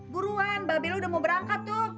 buruan babe lu udah mau berangkat tuh